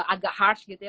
agak harsh gitu ya